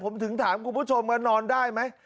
ผมถึงถามคุณผู้ชมว่านอนได้ไหม